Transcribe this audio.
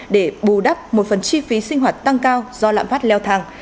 để bù đắp một phần chi phí sinh hoạt tăng cao do lãm phát leo thẳng